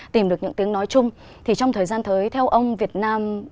tìm được những tiếng nói chung thì trong thời gian tới theo ông việt nam